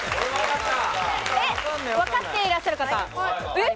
わかっていらっしゃる方。